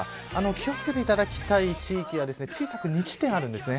気を付けていただきたい地域は小さく２地点あります。